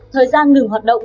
thời gian ngừng hoạt động